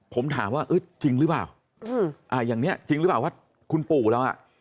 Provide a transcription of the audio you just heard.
ผมถามว่าจริงหรือเปล่าอย่างนี้จริงหรือเปล่าว่าคุณปู่เราอ่ะ